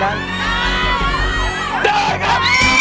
ได้